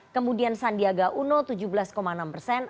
kemudian sandiaga uno tujuh belas enam persen